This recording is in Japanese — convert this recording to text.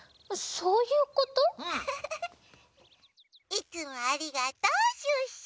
いつもありがとうシュッシュ。